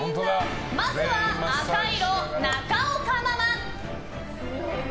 まずは赤色、中岡ママ。